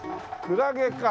クラゲか。